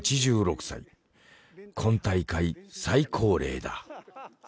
今大会最高齢だ。